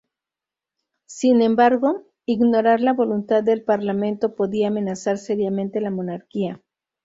Sin embargo, ignorar la voluntad del Parlamento podía amenazar seriamente la monarquía.